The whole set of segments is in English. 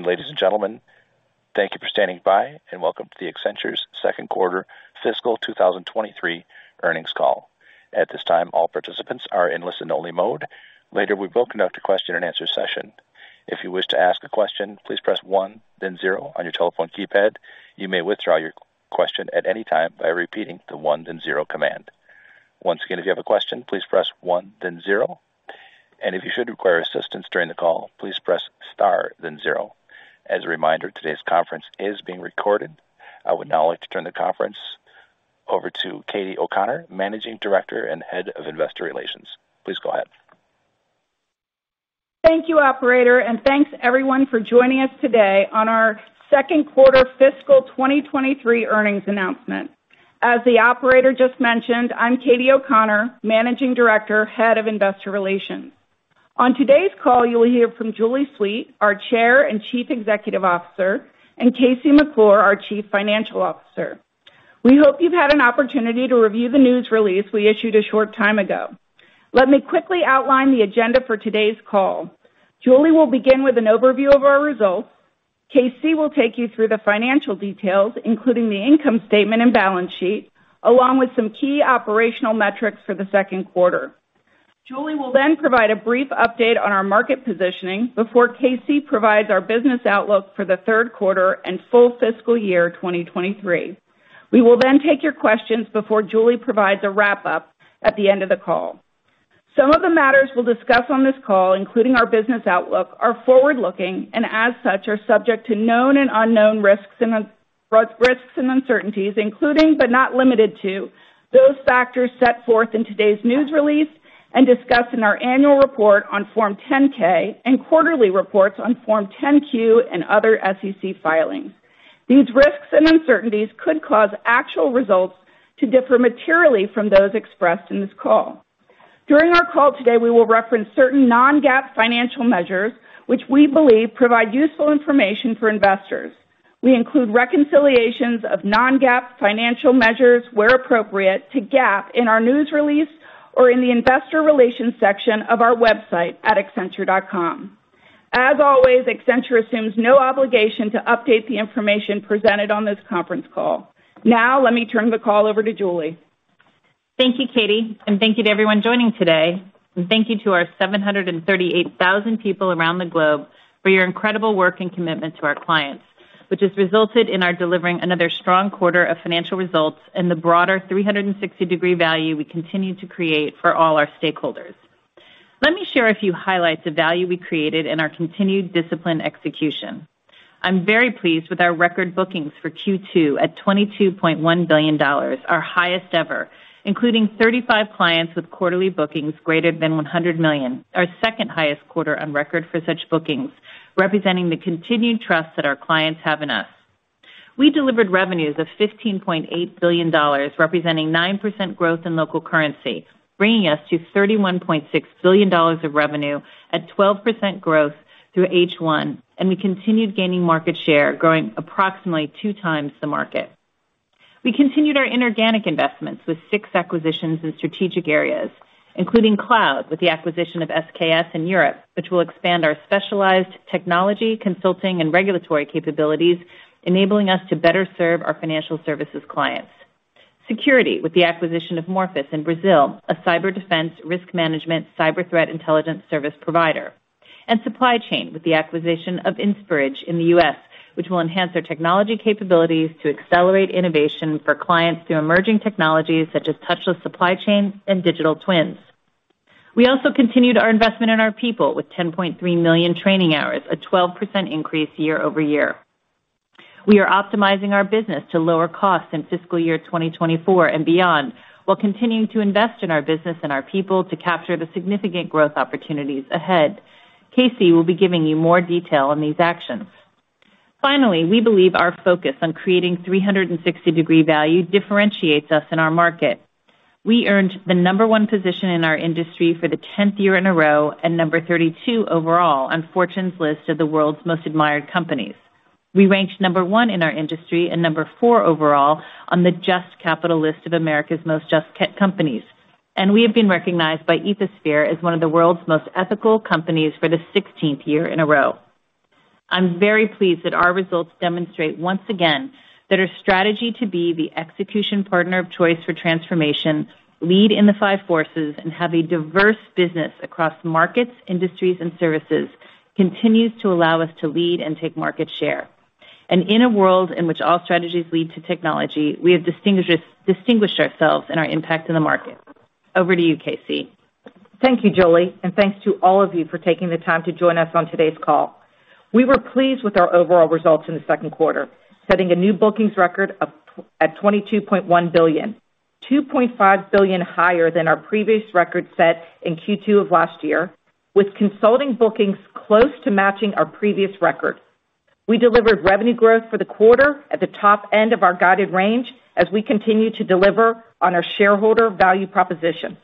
Ladies and gentlemen, thank you for standing by and welcome to Accenture's second quarter fiscal 2023 earnings call. At this time, all participants are in listen only mode. Later, we will conduct a question and answer session. If you wish to ask a question, please press one then zero on your telephone keypad. You may withdraw your question at any time by repeating the one then zero command. Once again, if you have a question, please press one then zero, and if you should require assistance during the call, please press star then zero. As a reminder, today's conference is being recorded. I would now like to turn the conference over to Katie O'Conor, Managing Director and Head of Investor Relations. Please go ahead. Thank you, operator, and thanks everyone for joining us today on our second quarter fiscal 2023 earnings announcement. As the operator just mentioned, I'm Katie O'Conor, Managing Director, Head of Investor Relations. On today's call, you'll hear from Julie Sweet, our Chair and Chief Executive Officer, and KC McClure, our Chief Financial Officer. We hope you've had an opportunity to review the news release we issued a short time ago. Let me quickly outline the agenda for today's call. Julie will begin with an overview of our results. KC will take you through the financial details, including the income statement and balance sheet, along with some key operational metrics for the second quarter. Julie will then provide a brief update on our market positioning before KC provides our business outlook for the third quarter and full fiscal year 2023. We will then take your questions before Julie provides a wrap up at the end of the call. Some of the matters we'll discuss on this call, including our business outlook, are forward-looking and as such, are subject to known and unknown risks and uncertainties, including, but not limited to those factors set forth in today's news release and discussed in our annual report on Form 10-K and quarterly reports on Form 10-Q and other SEC filings. These risks and uncertainties could cause actual results to differ materially from those expressed in this call. During our call today, we will reference certain non-GAAP financial measures which we believe provide useful information for investors. We include reconciliations of non-GAAP financial measures, where appropriate, to GAAP in our news release or in the investor relations section of our website at accenture.com. Always, Accenture assumes no obligation to update the information presented on this conference call. Now, let me turn the call over to Julie. Thank you, Katie, and thank you to everyone joining today. Thank you to our 738,000 people around the globe for your incredible work and commitment to our clients, which has resulted in our delivering another strong quarter of financial results and the broader 360° value we continue to create for all our stakeholders. Let me share a few highlights of value we created in our continued disciplined execution. I'm very pleased with our record bookings for Q2 at $22.1 billion, our highest ever, including 35 clients with quarterly bookings greater than $100 million, our second highest quarter on record for such bookings, representing the continued trust that our clients have in us. We delivered revenues of $15.8 billion, representing 9% growth in local currency, bringing us to $31.6 billion of revenue at 12% growth through H1. We continued gaining market share, growing approximately 2x the market. We continued our inorganic investments with six acquisitions in strategic areas, including cloud with the acquisition of SKS in Europe, which will expand our specialized technology consulting and regulatory capabilities, enabling us to better serve our financial services clients. Security with the acquisition of Morphus in Brazil, a cyber defense risk management, cyber threat intelligence service provider. Supply chain with the acquisition of Inspirage in the U.S., which will enhance our technology capabilities to accelerate innovation for clients through emerging technologies such as touchless supply chains and digital twins. We also continued our investment in our people with 10.3 million training hours, a 12% increase year-over-year. We are optimizing our business to lower costs in fiscal year 2024 and beyond, while continuing to invest in our business and our people to capture the significant growth opportunities ahead. KC will be giving you more detail on these actions. Finally, we believe our focus on creating 360° value differentiates us in our market. We earned the number one position in our industry for the 10th year in a row and number 32 overall on Fortune's list of the world's most admired companies. We ranked number one in our industry and number four overall on the Just Capital list of America's most just companies. We have been recognized by Ethisphere as one of the world's most ethical companies for the 16th year in a row. I'm very pleased that our results demonstrate once again that our strategy to be the execution partner of choice for transformation, lead in the five forces and have a diverse business across markets, industries, and services continues to allow us to lead and take market share. In a world in which all strategies lead to technology, we have distinguished ourselves and our impact in the market. Over to you, KC. Thank you, Julie, thanks to all of you for taking the time to join us on today's call. We were pleased with our overall results in the second quarter, setting a new bookings record of $22.1 billion, $2.5 billion higher than our previous record set in Q2 of last year, with consulting bookings close to matching our previous record. We delivered revenue growth for the quarter at the top end of our guided range as we continue to deliver on our shareholder value propositions.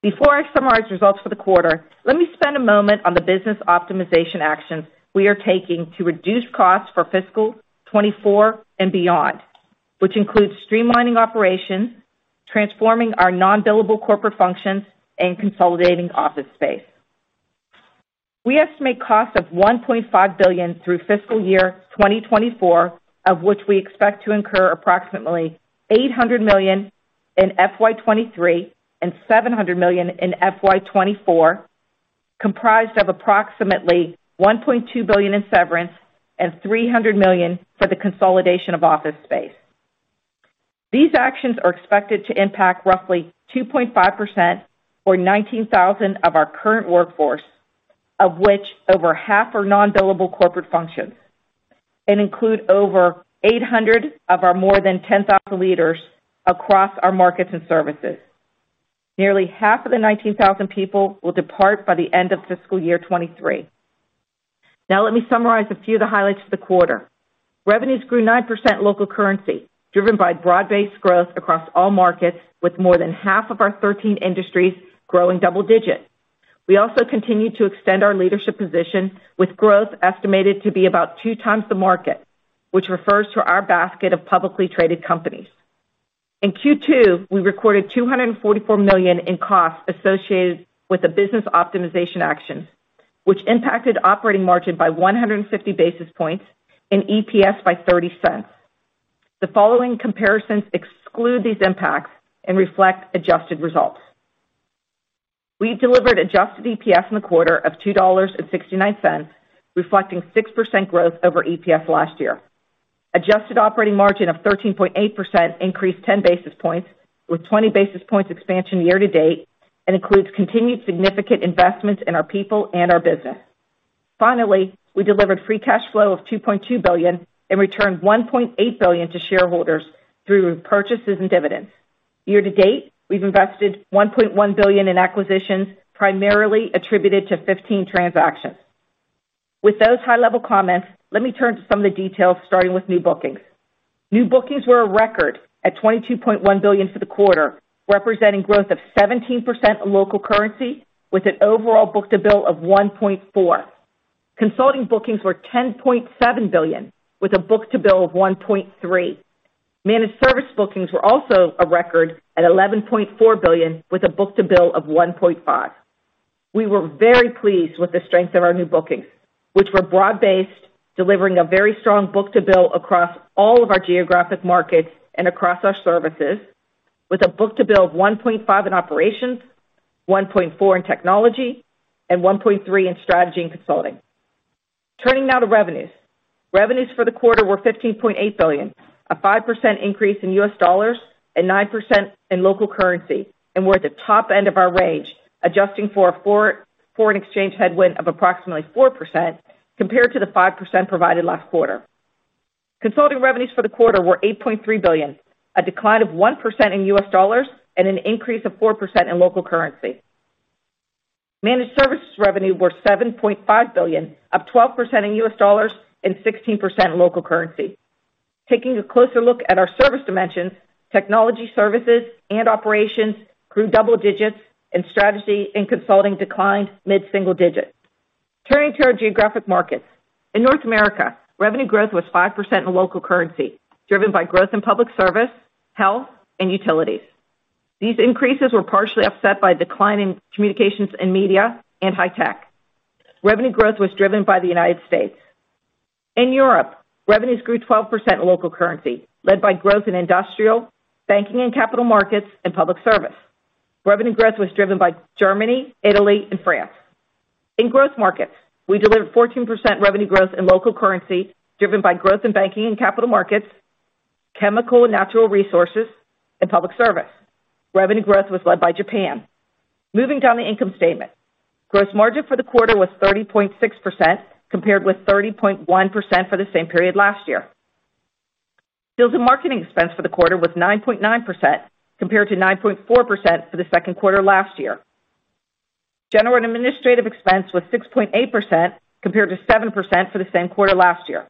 Before I summarize results for the quarter, let me spend a moment on the business optimization actions we are taking to reduce costs for fiscal 2024 and beyond, which includes streamlining operations. Transforming our non-billable corporate functions and consolidating office space. We estimate costs of $1.5 billion through fiscal year 2024, of which we expect to incur approximately $800 million in FY 2023 and $700 million in FY 2024, comprised of approximately $1.2 billion in severance and $300 million for the consolidation of office space. These actions are expected to impact roughly 2.5% or 19,000 of our current workforce, of which over half are non-billable corporate functions and include over 800 of our more than 10,000 leaders across our markets and services. Nearly half of the 19,000 people will depart by the end of fiscal year 2023. Let me summarize a few of the highlights of the quarter. Revenues grew 9% local currency, driven by broad-based growth across all markets, with more than half of our 13 industries growing double digits. We also continued to extend our leadership position, with growth estimated to be about 2x the market, which refers to our basket of publicly traded companies. In Q2, we recorded $244 million in costs associated with the business optimization actions, which impacted operating margin by 150 basis points and EPS by $0.30. The following comparisons exclude these impacts and reflect adjusted results. We delivered adjusted EPS in the quarter of $2.69, reflecting 6% growth over EPS last year. Adjusted operating margin of 13.8% increased 10 basis points, with 20 basis points expansion year-to-date, and includes continued significant investments in our people and our business. Finally, we delivered free cash flow of $2.2 billion and returned $1.8 billion to shareholders through purchases and dividends. Year to date, we've invested $1.1 billion in acquisitions, primarily attributed to 15 transactions. With those high-level comments, let me turn to some of the details, starting with new bookings. New bookings were a record at $22.1 billion for the quarter, representing growth of 17% in local currency, with an overall book-to-bill of 1.4. Consulting bookings were $10.7 billion, with a book-to-bill of 1.3. Managed service bookings were also a record at $11.4 billion, with a book-to-bill of 1.5. We were very pleased with the strength of our new bookings, which were broad-based, delivering a very strong book-to-bill across all of our geographic markets and across our services, with a book-to-bill of 1.5 in operations, 1.4 in technology, and 1.3 in Strategy & Consulting. Turning now to revenues. Revenues for the quarter were $15.8 billion, a 5% increase in U.S. dollars and 9% in local currency, and we're at the top end of our range, adjusting for a foreign exchange headwind of approximately 4% compared to the 5% provided last quarter. Consulting revenues for the quarter were $8.3 billion, a decline of 1% in U.S. dollars and an increase of 4% in local currency. Managed services revenue were $7.5 billion, up 12% in U.S. dollars and 16% in local currency. Taking a closer look at our service dimensions, Technology Services and Operations grew double digits and Strategy & Consulting declined mid-single digit. Turning to our geographic markets. In North America, revenue growth was 5% in local currency, driven by growth in Public Service, Health, and Utilities. These increases were partially offset by declining Communications and Media and High Tech. Revenue growth was driven by the United States. In Europe, revenues grew 12% in local currency, led by growth in Industrial, Banking and Capital Markets, and Public Service. Revenue growth was driven by Germany, Italy, and France. In Growth Markets, we delivered 14% revenue growth in local currency, driven by growth in Banking and Capital Markets, Chemical and Natural Resources, and Public Service. Revenue growth was led by Japan. Moving down the income statement. Gross margin for the quarter was 30.6%, compared with 30.1% for the same period last year. Sales and marketing expense for the quarter was 9.9%, compared to 9.4% for the second quarter last year. General and administrative expense was 6.8%, compared to 7% for the same quarter last year.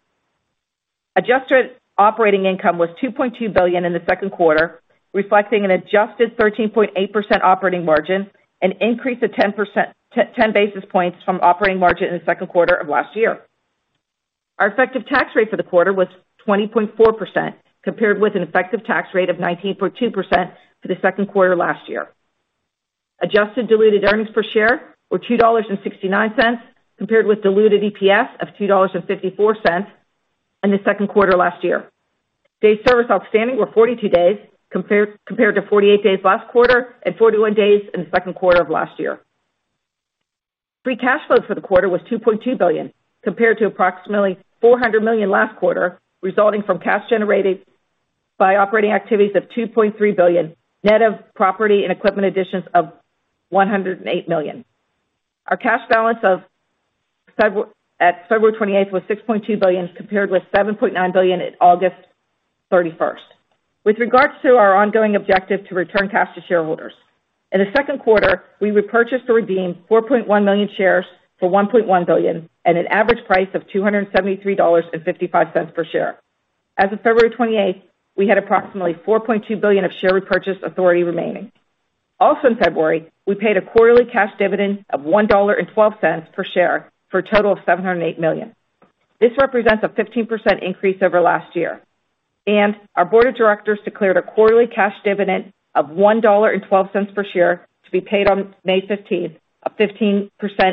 Adjusted operating income was $2.2 billion in the second quarter, reflecting an adjusted 13.8% operating margin, an increase of 10 basis points from operating margin in the second quarter of last year. Our effective tax rate for the quarter was 20.4%, compared with an effective tax rate of 19.2% for the second quarter last year. Adjusted diluted earnings per share were $2.69, compared with diluted EPS of $2.54 in the second quarter last year. Days service outstanding were 42 days, compared to 48 days last quarter and 41 days in the second quarter of last year. Free cash flow for the quarter was $2.2 billion, compared to approximately $400 million last quarter, resulting from cash generated by operating activities of $2.3 billion, net of property and equipment additions of $108 million. Our cash balance at February 28th was $6.2 billion, compared with $7.9 billion at August 31st. With regards to our ongoing objective to return cash to shareholders, in the second quarter, we repurchased or redeemed 4.1 million shares for $1.1 billion at an average price of $273.55 per share. As of February 28th, we had approximately $4.2 billion of share repurchase authority remaining. Also in February, we paid a quarterly cash dividend of $1.12 per share for a total of $708 million. This represents a 15% increase over last year. Our board of directors declared a quarterly cash dividend of $1.12 per share to be paid on May 15th, a 15%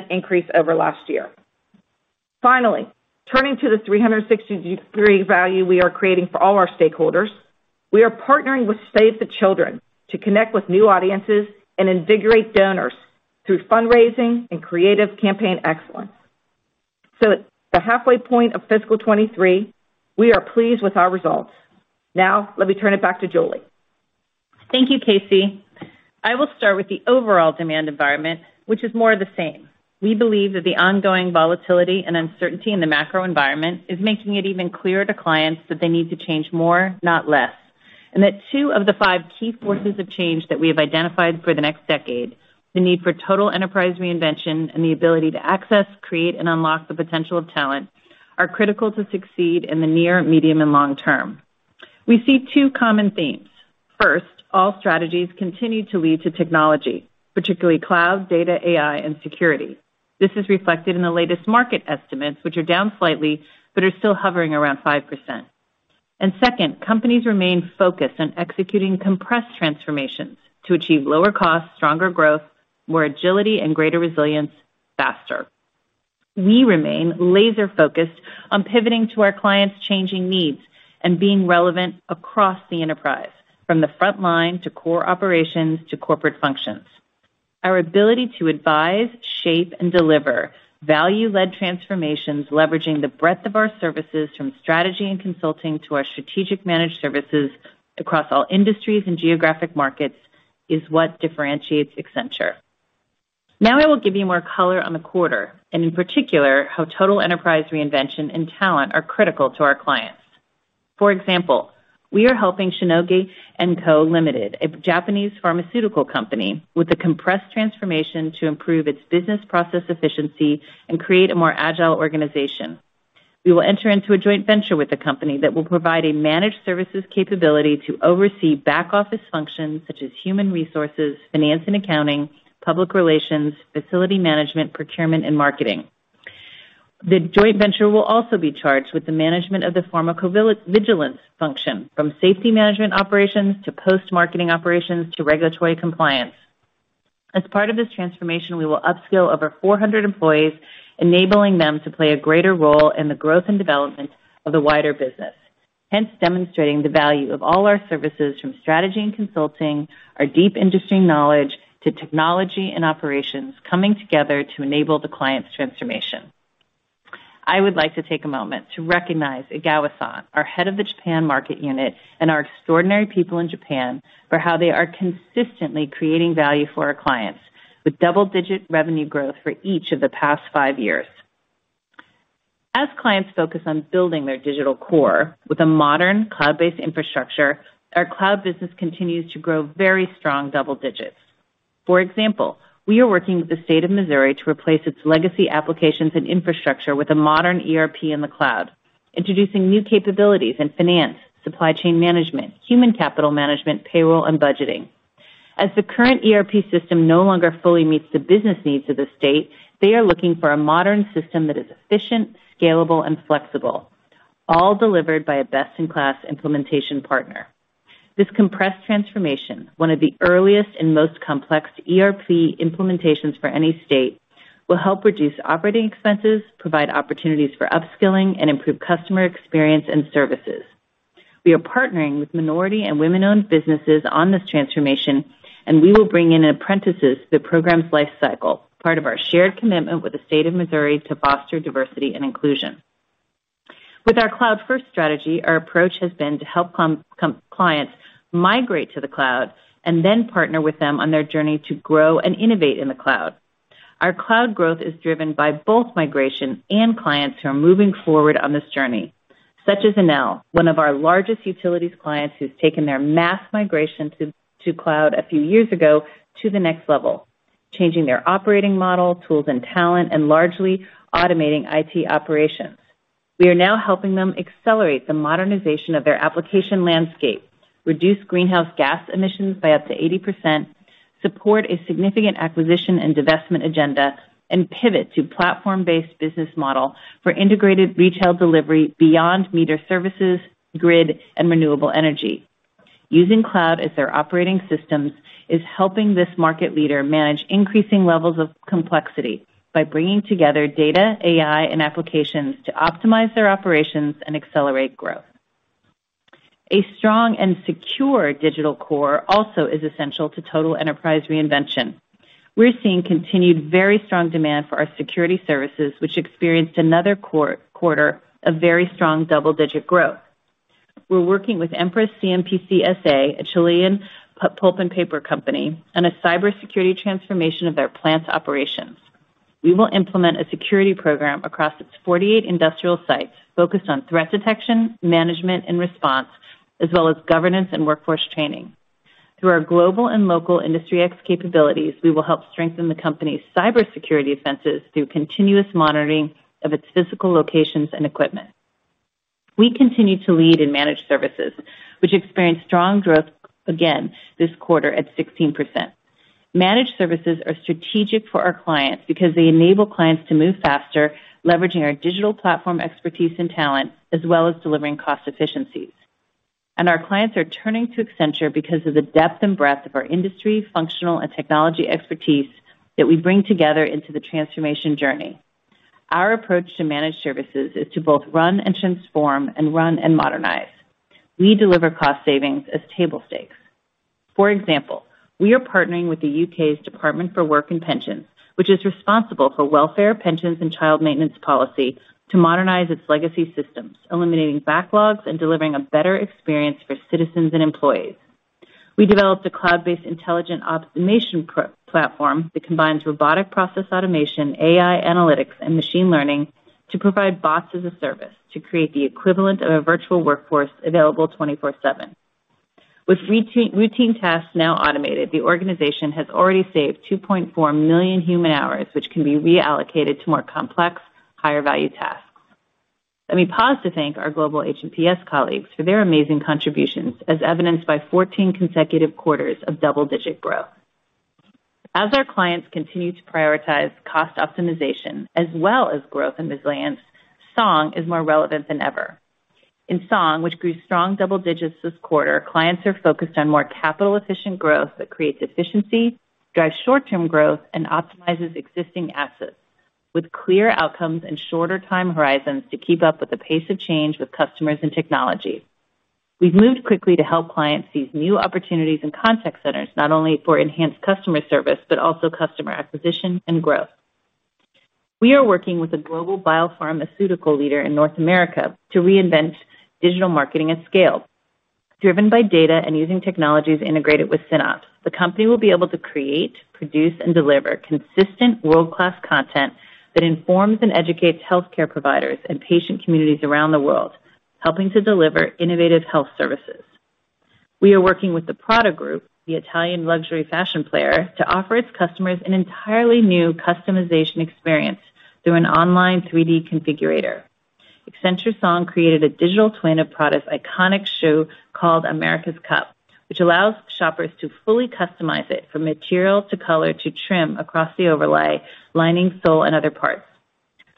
increase over last year. Finally, turning to the 360° value we are creating for all our stakeholders, we are partnering with Save the Children to connect with new audiences and invigorate donors through fundraising and creative campaign excellence. At the halfway point of fiscal 2023, we are pleased with our results. Now let me turn it back to Julie. Thank you, KC. I will start with the overall demand environment, which is more of the same. We believe that the ongoing volatility and uncertainty in the macro environment is making it even clearer to clients that they need to change more, not less, and that two of the five key forces of change that we have identified for the next decade, the need for Total Enterprise Reinvention and the ability to access, create, and unlock the potential of talent, are critical to succeed in the near, medium and long term. We see two common themes. First, all strategies continue to lead to technology, particularly cloud, data, AI, and security. This is reflected in the latest market estimates, which are down slightly but are still hovering around 5%. Second, companies remain focused on executing compressed transformations to achieve lower costs, stronger growth, more agility and greater resilience faster. We remain laser focused on pivoting to our clients' changing needs and being relevant across the enterprise, from the front line to core operations to corporate functions. Our ability to advise, shape, and deliver value-led transformations, leveraging the breadth of our services from Strategy & Consulting to our strategic managed services across all industries and geographic markets, is what differentiates Accenture. Now I will give you more color on the quarter and in particular, how Total Enterprise Reinvention and talent are critical to our clients. For example, we are helping Shionogi & Co., Ltd., a Japanese pharmaceutical company, with a compressed transformation to improve its business process efficiency and create a more agile organization. We will enter into a joint venture with the company that will provide a managed services capability to oversee back-office functions such as human resources, finance and accounting, public relations, facility management, procurement and marketing. The joint venture will also be charged with the management of the pharmacovigilance function, from safety management operations to post-marketing operations to regulatory compliance. As part of this transformation, we will upskill over 400 employees, enabling them to play a greater role in the growth and development of the wider business, hence demonstrating the value of all our services, from Strategy & Consulting, our deep industry knowledge to technology and operations coming together to enable the client's transformation. I would like to take a moment to recognize Egawa-san, our Head of the Japan Market Unit, and our extraordinary people in Japan for how they are consistently creating value for our clients with double-digit revenue growth for each of the past five years. As clients focus on building their digital core with a modern cloud-based infrastructure, our cloud business continues to grow very strong double digits. For example, we are working with the state of Missouri to replace its legacy applications and infrastructure with a modern ERP in the cloud, introducing new capabilities in finance, supply chain management, human capital management, payroll and budgeting. As the current ERP system no longer fully meets the business needs of the state, they are looking for a modern system that is efficient, scalable and flexible, all delivered by a best-in-class implementation partner. This compressed transformation, one of the earliest and most complex ERP implementations for any state, will help reduce operating expenses, provide opportunities for upskilling, and improve customer experience and services. We are partnering with minority and women-owned businesses on this transformation, and we will bring in apprentices through the program's lifecycle, part of our shared commitment with the state of Missouri to foster diversity and inclusion. With our cloud-first strategy, our approach has been to help clients migrate to the cloud and then partner with them on their journey to grow and innovate in the cloud. Our cloud growth is driven by both migration and clients who are moving forward on this journey, such as Enel, one of our largest utilities clients who's taken their mass migration to cloud a few years ago to the next level, changing their operating model, tools and talent, and largely automating IT operations. We are now helping them accelerate the modernization of their application landscape, reduce greenhouse gas emissions by up to 80%, support a significant acquisition and divestment agenda, and pivot to platform-based business model for integrated retail delivery beyond meter services, grid and renewable energy. Using cloud as their operating systems is helping this market leader manage increasing levels of complexity by bringing together data, AI and applications to optimize their operations and accelerate growth. A strong and secure digital core also is essential to Total Enterprise Reinvention. We're seeing continued very strong demand for our security services, which experienced another quarter of very strong double-digit growth. We're working with Empresas CMPC S.A., a Chilean pulp and paper company, on a cybersecurity transformation of their plant's operations. We will implement a security program across its 48 industrial sites focused on threat detection, management and response, as well as governance and workforce training. Through our global and local Industry X capabilities, we will help strengthen the company's cybersecurity defenses through continuous monitoring of its physical locations and equipment. We continue to lead in managed services, which experienced strong growth again this quarter at 16%. Managed services are strategic for our clients because they enable clients to move faster, leveraging our digital platform expertise and talent, as well as delivering cost efficiencies. Our clients are turning to Accenture because of the depth and breadth of our industry, functional, and technology expertise that we bring together into the transformation journey. Our approach to managed services is to both run and transform and run and modernize. We deliver cost savings as table stakes. For example, we are partnering with the U.K.'s Department for Work and Pensions, which is responsible for welfare, pensions, and child maintenance policy, to modernize its legacy systems, eliminating backlogs and delivering a better experience for citizens and employees. We developed a cloud-based intelligent optimization platform that combines robotic process automation, AI analytics, and machine learning to provide bots as a service to create the equivalent of a virtual workforce available 24/7. With routine tasks now automated, the organization has already saved 2.4 million human hours, which can be reallocated to more complex, higher-value tasks. Let me pause to thank our global H&PS colleagues for their amazing contributions, as evidenced by 14 consecutive quarters of double-digit growth. Our clients continue to prioritize cost optimization as well as growth and resilience, Song is more relevant than ever. In Song, which grew strong double digits this quarter, clients are focused on more capital-efficient growth that creates efficiency, drives short-term growth, and optimizes existing assets, with clear outcomes and shorter time horizons to keep up with the pace of change with customers and technology. We've moved quickly to help clients seize new opportunities in contact centers, not only for enhanced customer service, but also customer acquisition and growth. We are working with a global biopharmaceutical leader in North America to reinvent digital marketing at scale. Driven by data and using technologies integrated with SynOps, the company will be able to create, produce, and deliver consistent world-class content that informs and educates healthcare providers and patient communities around the world, helping to deliver innovative health services. We are working with the Prada Group, the Italian luxury fashion player, to offer its customers an entirely new customization experience through an online 3D configurator. Accenture Song created a digital twin of Prada's iconic shoe called America's Cup, which allows shoppers to fully customize it from material to color to trim across the overlay, lining, sole, and other parts.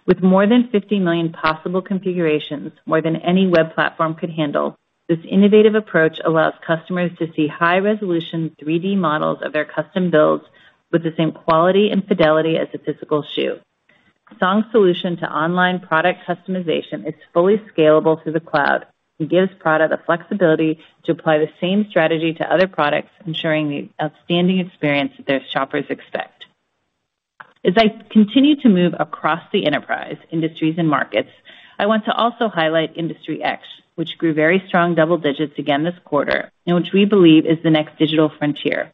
With more than 50 million possible configurations, more than any web platform could handle, this innovative approach allows customers to see high-resolution 3D models of their custom builds with the same quality and fidelity as a physical shoe. Song's solution to online product customization is fully scalable through the cloud and gives Prada the flexibility to apply the same strategy to other products, ensuring the outstanding experience their shoppers expect. As I continue to move across the enterprise, industries, and markets, I want to also highlight Industry X, which grew very strong double digits again this quarter, and which we believe is the next digital frontier,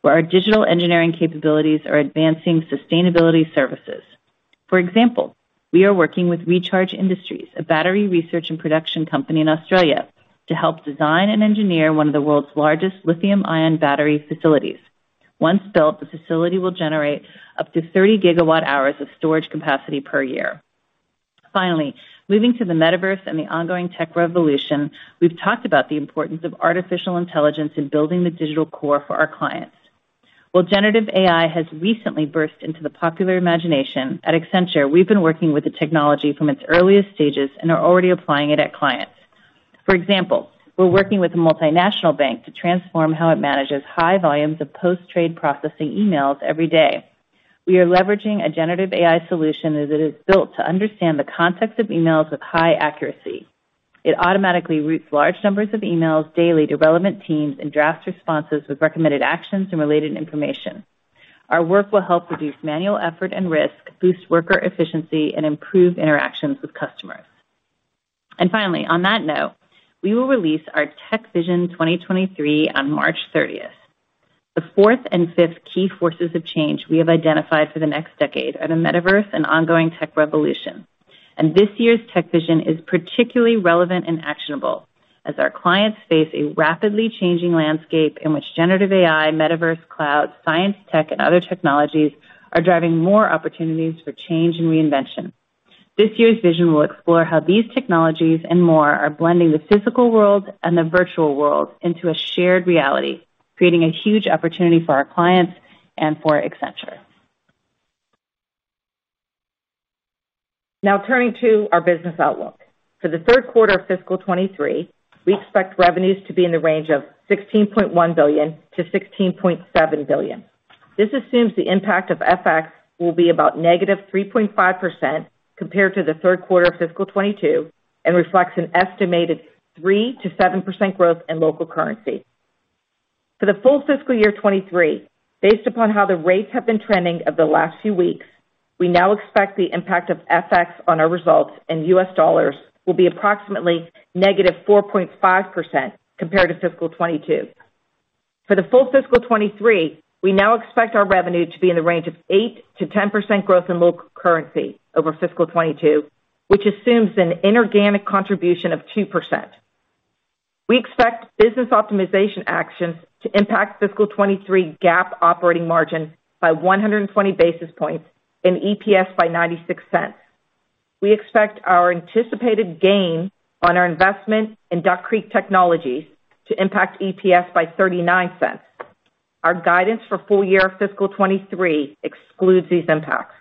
where our digital engineering capabilities are advancing sustainability services. For example, we are working with Recharge Industries, a battery research and production company in Australia, to help design and engineer one of the world's largest lithium-ion battery facilities. Once built, the facility will generate up to 30 GWh of storage capacity per year. Finally, moving to the metaverse and the ongoing tech revolution, we've talked about the importance of artificial intelligence in building the digital core for our clients. While generative AI has recently burst into the popular imagination, at Accenture, we've been working with the technology from its earliest stages and are already applying it at clients. For example, we're working with a multinational bank to transform how it manages high volumes of post-trade processing emails every day. We are leveraging a generative AI solution as it is built to understand the context of emails with high accuracy. It automatically routes large numbers of emails daily to relevant teams and drafts responses with recommended actions and related information. Our work will help reduce manual effort and risk, boost worker efficiency, and improve interactions with customers. Finally, on that note, we will release our Tech Vision 2023 on March 30th. The fourth and fifth key forces of change we have identified for the next decade are the Metaverse and ongoing tech revolution. This year's Tech Vision is particularly relevant and actionable as our clients face a rapidly changing landscape in which generative AI, Metaverse, cloud, science tech, and other technologies are driving more opportunities for change and reinvention. This year's vision will explore how these technologies and more are blending the physical world and the virtual world into a shared reality, creating a huge opportunity for our clients and for Accenture. Now turning to our business outlook. For the third quarter of fiscal 2023, we expect revenues to be in the range of $16.1 billion-$16.7 billion. This assumes the impact of FX will be about -3.5% compared to the third quarter of fiscal 2022 and reflects an estimated 3%-7% growth in local currency. For the full fiscal year 2023, based upon how the rates have been trending over the last few weeks, we now expect the impact of FX on our results in U.S. dollars will be approximately -4.5% compared to fiscal 2022. For the full fiscal 2023, we now expect our revenue to be in the range of 8%-10% growth in local currency over fiscal 2022, which assumes an inorganic contribution of 2%. We expect business optimization actions to impact fiscal 2023 GAAP operating margin by 120 basis points and EPS by $0.96. We expect our anticipated gain on our investment in Duck Creek Technologies to impact EPS by $0.39. Our guidance for full year fiscal 2023 excludes these impacts.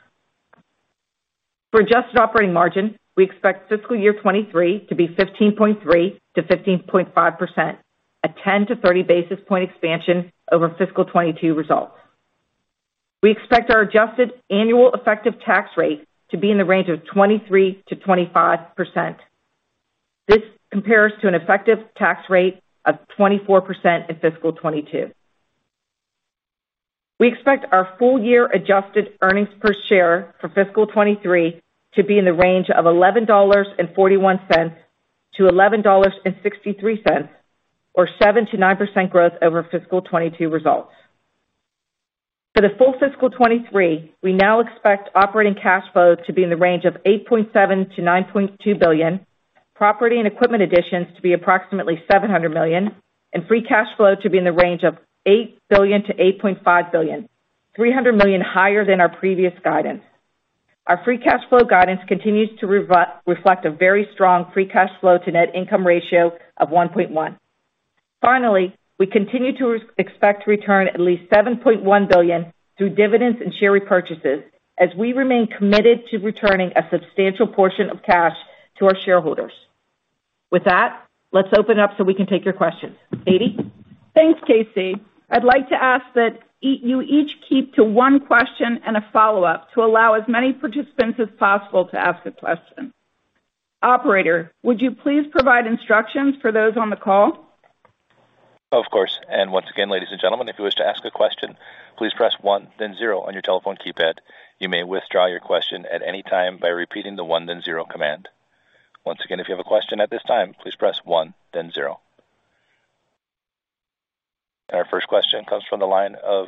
For adjusted operating margin, we expect fiscal year 2023 to be 15.3%-15.5%, a 10-30 basis point expansion over fiscal 2022 results. We expect our adjusted annual effective tax rate to be in the range of 23%-25%. This compares to an effective tax rate of 24% in fiscal 2022. We expect our full year adjusted earnings per share for fiscal 2023 to be in the range of $11.41-$11.63, or 7%-9% growth over fiscal 2022 results. For the full fiscal 2023, we now expect operating cash flow to be in the range of $8.7 billion-$9.2 billion, property and equipment additions to be approximately $700 million, and free cash flow to be in the range of $8 billion-$8.5 billion, $300 million higher than our previous guidance. Our free cash flow guidance continues to reflect a very strong free cash flow to net income ratio of 1.1. Finally, we continue to expect to return at least $7.1 billion through dividends and share repurchases as we remain committed to returning a substantial portion of cash to our shareholders. With that, let's open up, so we can take your questions. Katie? Thanks, KC. I'd like to ask that you each keep to one question and a follow-up to allow as many participants as possible to ask a question. Operator, would you please provide instructions for those on the call? Of course. Once again, ladies and gentlemen, if you wish to ask a question, please press one then zero on your telephone keypad. You may withdraw your question at any time by repeating the one then zero command. Once again, if you have a question at this time, please press one then zero. Our first question comes from the line of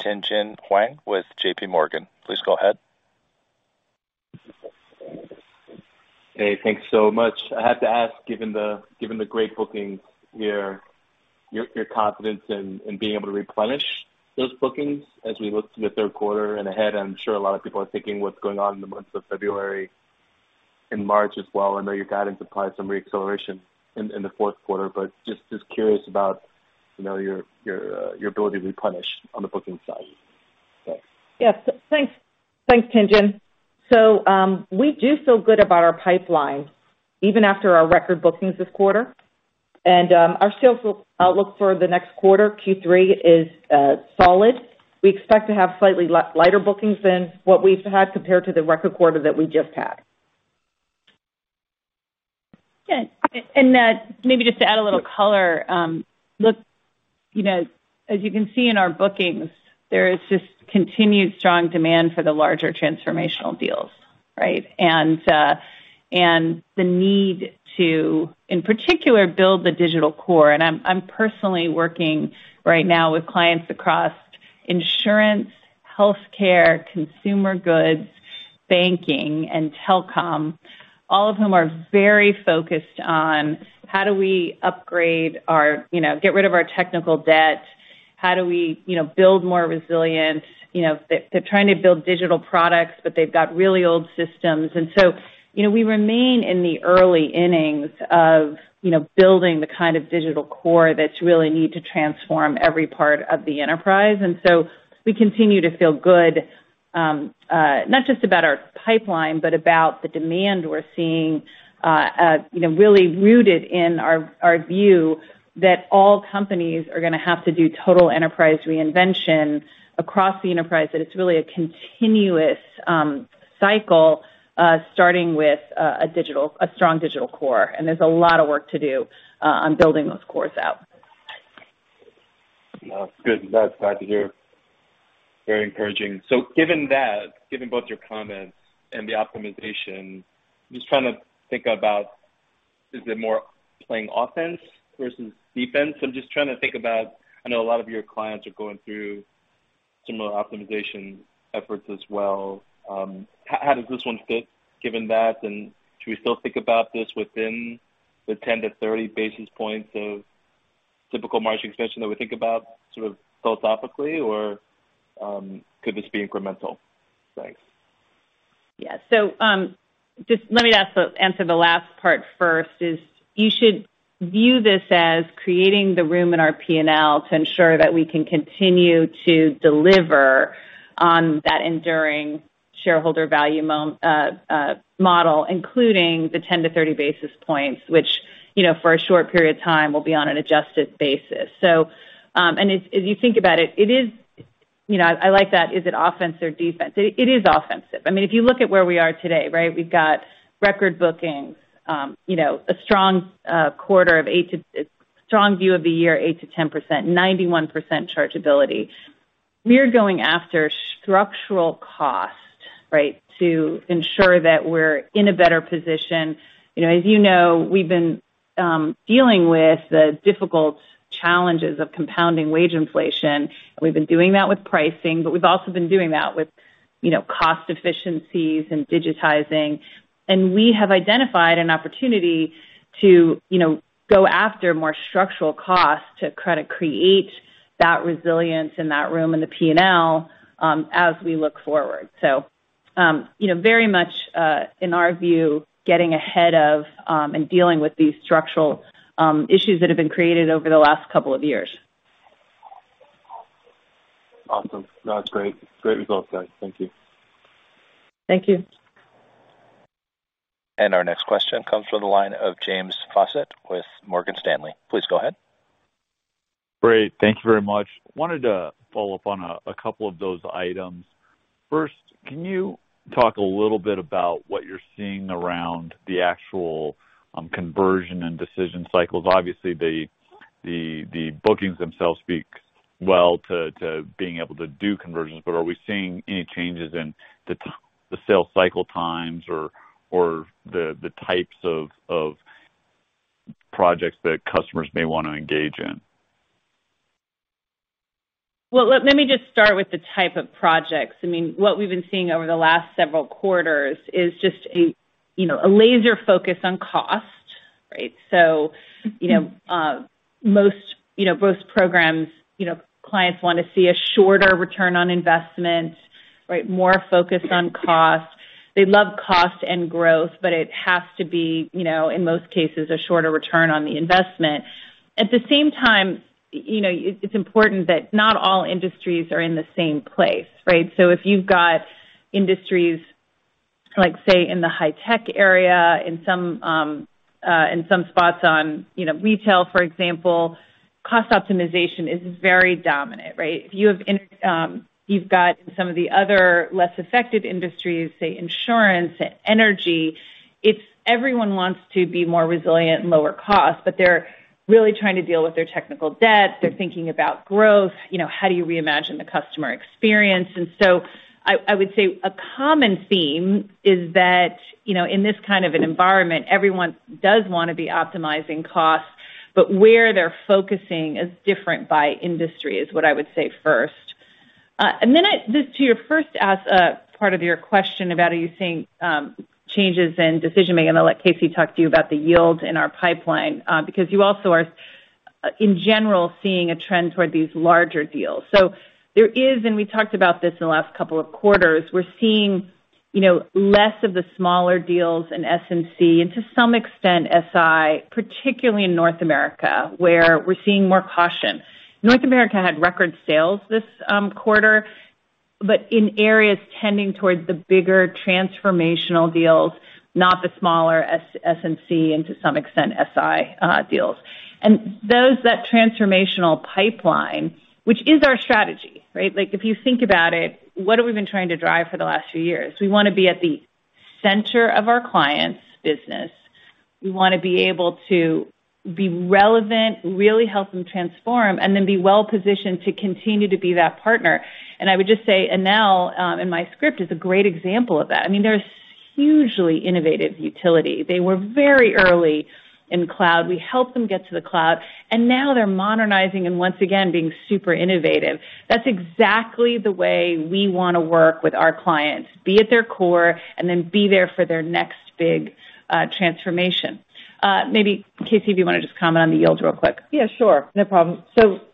Tien-Tsin Huang with JPMorgan. Please go ahead. Hey, thanks so much. I have to ask, given the great bookings here, your confidence in being able to replenish those bookings as we look to the third quarter and ahead. I'm sure a lot of people are thinking what's going on in the months of February and March as well. I know your guidance implies some re-acceleration in the fourth quarter, but just curious about, you know, your ability to replenish on the booking side. Thanks. Yes. Thanks, thanks, Tien-Tsin. We do feel good about our pipeline even after our record bookings this quarter. Our sales outlook for the next quarter, Q3, is solid. We expect to have slightly lighter bookings than what we've had compared to the record quarter that we just had. Yeah. And maybe just to add a little color, look, you know, as you can see in our bookings, there is just continued strong demand for the larger transformational deals, right? The need to, in particular, build the digital core. I'm personally working right now with clients across insurance, healthcare, consumer goods, banking, and telecom, all of whom are very focused on how do we upgrade our, you know, get rid of our technical debt? How do we, you know, build more resilience? You know, they're trying to build digital products, but they've got really old systems. You know, we remain in the early innings of, you know, building the kind of digital core that you really need to transform every part of the enterprise. We continue to feel good, not just about our pipeline, but about the demand we're seeing, you know, really rooted in our view that all companies are gonna have to do Total Enterprise Reinvention across the enterprise, that it's really a continuous cycle, starting with a strong digital core. There's a lot of work to do on building those cores out. That's good. That's glad to hear. Very encouraging. Given that, given both your comments and the optimization, I'm just trying to think about is it more playing offense versus defense? I'm just trying to think about, I know a lot of your clients are going through similar optimization efforts as well. How does this one fit given that? Should we still think about this within the 10-30 basis points of typical margin expansion that we think about sort of philosophically, or could this be incremental? Thanks. Yeah. Just let me answer the last part first is you should view this as creating the room in our P&L to ensure that we can continue to deliver on that enduring shareholder value model, including the 10-30 basis points, which, you know, for a short period of time will be on an adjusted basis. If, if you think about it is, you know, I like that is it offense or defense? It is offensive. I mean, if you look at where we are today, right? We've got record bookings, you know, a strong view of the year, 8%-10%, 91% chargeability. We're going after structural cost, right, to ensure that we're in a better position. You know, as you know, we've been dealing with the difficult challenges of compounding wage inflation. We've been doing that with pricing, but we've also been doing that with, you know, cost efficiencies and digitizing. We have identified an opportunity to, you know, go after more structural costs to kinda create that resilience in that room in the P&L as we look forward. You know, very much in our view, getting ahead of and dealing with these structural issues that have been created over the last couple of years. Awesome. No, that's great. Great results, guys. Thank you. Thank you. Our next question comes from the line of James Faucette with Morgan Stanley. Please go ahead. Great. Thank you very much. Wanted to follow up on a couple of those items. First, can you talk a little bit about what you're seeing around the actual conversion and decision cycles? Obviously, the bookings themselves speak well to being able to do conversions, but are we seeing any changes in the sales cycle times or the types of projects that customers may wanna engage in? Well, let me just start with the type of projects. I mean, what we've been seeing over the last several quarters is just a, you know, a laser focus on cost, right? You know, most programs, you know, clients wanna see a shorter return on investment, right? More focused on cost. They love cost and growth, but it has to be, you know, in most cases, a shorter return on the investment. At the same time, you know, it's important that not all industries are in the same place, right? If you've got industries like, say, in the high tech area, in some spots on, you know, retail, for example, cost optimization is very dominant, right? If you have you've got some of the other less affected industries, say insurance and energy, it's everyone wants to be more resilient and lower cost, but they're really trying to deal with their technical debt. They're thinking about growth. You know, how do you reimagine the customer experience? I would say a common theme is that, you know, in this kind of an environment, everyone does wanna be optimizing costs, but where they're focusing is different by industry, is what I would say first. Just to your first ask, part of your question about are you seeing changes in decision-making, I'm gonna let KC talk to you about the yields in our pipeline, because you also are, in general, seeing a trend toward these larger deals. There is, and we talked about this in the last couple of quarters, we're seeing, you know, less of the smaller deals in S&C, and to some extent SI, particularly in North America, where we're seeing more caution. North America had record sales this quarter, but in areas tending towards the bigger transformational deals, not the smaller S&C and to some extent SI deals. Those that transformational pipeline, which is our strategy, right? Like, if you think about it, what have we been trying to drive for the last few years? We wanna be at the center of our clients' business. We wanna be able to be relevant, really help them transform, and then be well-positioned to continue to be that partner. I would just say Enel, in my script, is a great example of that. I mean, they're a hugely innovative utility. They were very early in cloud. We helped them get to the cloud, and now they're modernizing and once again being super innovative. That's exactly the way we wanna work with our clients, be at their core, and then be there for their next big transformation. Maybe KC, if you wanna just comment on the yield real quick. Yeah, sure. No problem. Let